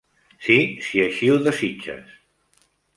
Sí, si així ho desitges.